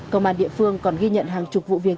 công an địa phương còn ghi nhận hàng chục vụ việc